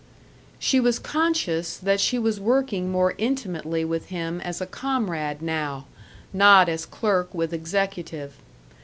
She was conscious that she was working more intimately with him as a comrade now, not as clerk with executive.